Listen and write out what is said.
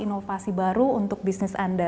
inovasi baru untuk bisnis anda